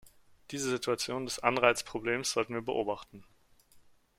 Diese Situation des Anreizproblems sollten wir beobachten.